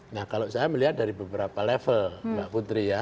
nah kalau saya melihat dari beberapa level mbak putri ya